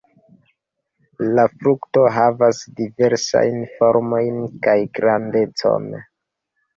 La frukto havas diversajn formojn kaj grandecon.